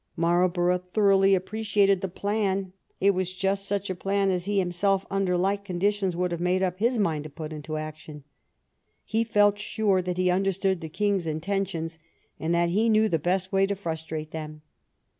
Marlborough thoroughly appreciated the plan. It was just such a plan as he himself, under like con ditions, would have made up his mind to put into action. He felt sure that he understood the King's intentions, and that he knew the best way to frustrate them.